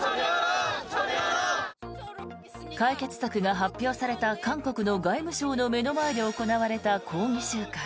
解決策が発表された韓国の外務省の目の前で行われた抗議集会。